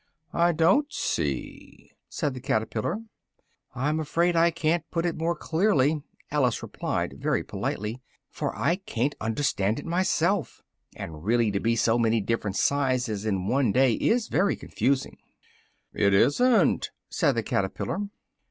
"I don't see," said the caterpillar. "I'm afraid I can't put it more clearly," Alice replied very politely, "for I ca'n't understand it myself, and really to be so many different sizes in one day is very confusing." "It isn't," said the caterpillar.